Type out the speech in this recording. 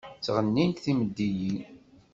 Ttɣennint temdeyynin.